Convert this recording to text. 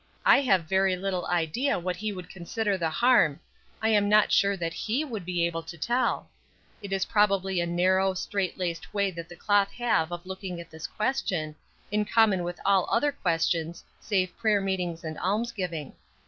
"I have very little idea what he would consider the harm; I am not sure that he would be able to tell. It is probably a narrow, strait laced way that the cloth have of looking at this question, in common with all other questions, save prayer meetings and almsgiving.